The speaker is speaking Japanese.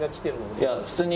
いや普通に。